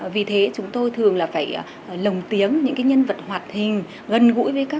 vì thế chúng tôi thường là phải lồng tiếng những nhân vật hoạt hình gần gũi với các em